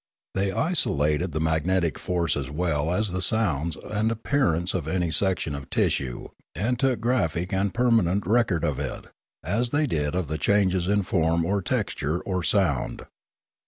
They iso lated the magnetic force as well as the sounds and ap pearance of any section of tissue, and took graphic and permanent record of it, as they did of the changes in form or texture or sound.